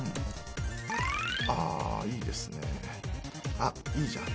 あっいいじゃん。